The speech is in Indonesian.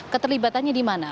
keterlibatannya di mana